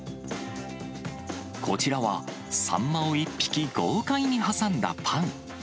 こちらは、さんまを１匹、豪快に挟んだパン。